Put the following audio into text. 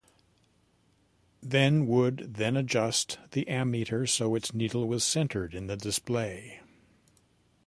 Then would then adjust the ammeter so its needle was centered in the display.